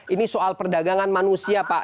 ini soal perdagangan manusia pak